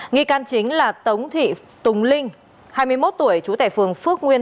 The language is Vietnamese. nghị can chính là tống thị tùng linh hai mươi một tuổi chú tẻ phường phước nguyên